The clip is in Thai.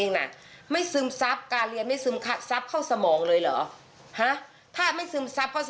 หนูเลยบอกว่าลูกหนูเลยบอกว่าไม่มีใครรุมหรอก